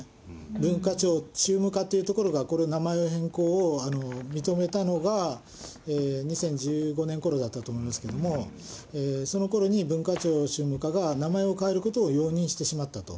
文化庁宗務課というところがこれを、名前の変更を認めたのが２０１５年ごろだったと思うんですが、そのころに文化庁宗務課が名前を変えることを容認してしまったと。